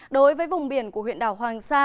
đối với vùng biển của huyện đảo hoàng sa